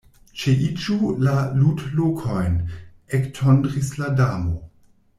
"Ĉeiĝu la ludlokojn," ektondris la Damo.